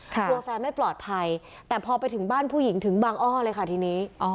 กลัวแฟนไม่ปลอดภัยแต่พอไปถึงบ้านผู้หญิงถึงบางอ้อเลยค่ะทีนี้